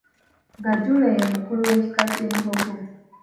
Gaajuule ye mukulu w'ekika ky'Embogo.